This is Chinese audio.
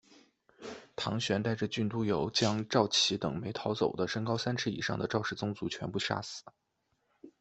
唐玹带着郡督邮将赵岐等没逃走的身高三尺以上的赵氏宗族全部杀死。